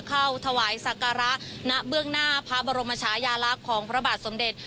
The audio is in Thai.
เข้าถวายสักการะณเบื้องหน้าพระบรมชายาลักษณ์ของพระบาทสมเด็จ